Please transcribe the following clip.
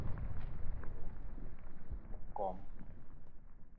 Ngèm ghɨ i yiyn i kom.